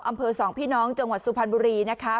อำเภอสองพี่น้องจังหวัดสุพรรณบุรีนะคะ